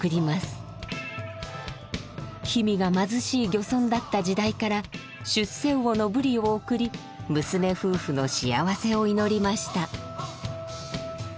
氷見が貧しい漁村だった時代から出世魚のブリを送り娘夫婦のしあわせを祈りました。